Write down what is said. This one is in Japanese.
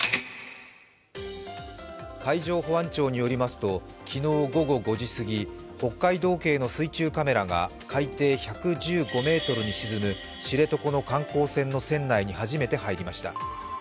海上保安庁によりますと昨日午後５時過ぎ、北海道警の水中カメラが海底１１５ｍに沈む知床の観光船の船内に初めて入りました。